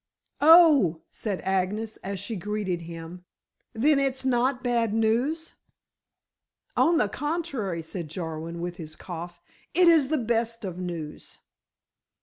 "Oh!" said Agnes as she greeted him, "then it's not bad news?" "On the contrary," said Jarwin, with his cough, "it is the best of news."